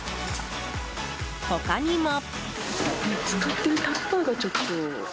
他にも。